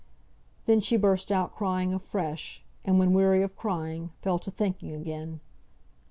Then she burst out crying afresh; and when weary of crying, fell to thinking again.